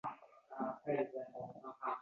Doim duodasiz siz panoximsiz